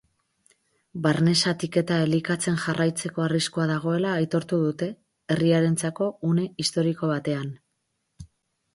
Barne zatiketa elikatzen jarraitzeko arriskua dagoela aitortu dute, herriarentzako une historiko batean.